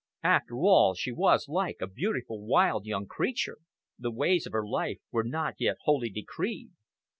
After all, she was like a beautiful wild young creature. The ways of her life were not yet wholly decreed.